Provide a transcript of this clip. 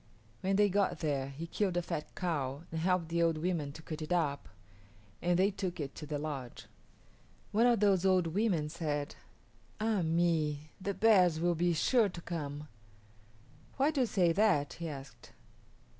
When they got there, he killed a fat cow and helped the old women to cut it up, and they took it to the lodge. One of those old women said, "Ah me, the bears will be sure to come." "Why do you say that?" he asked.